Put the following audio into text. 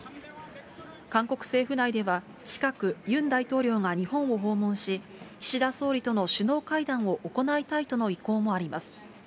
韓国政府内では近くユン大統領が日本を訪問し、岸田総理との首脳会談を行いたいとの意向もあります。